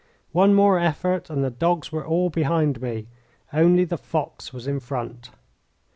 One more effort, and the dogs were all behind me. Only the fox was in front.